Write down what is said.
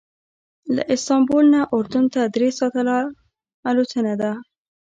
له استانبول نه اردن ته درې ساعته الوتنه ده.